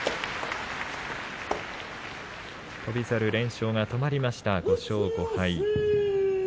翔猿、連勝が止まりました５勝５敗。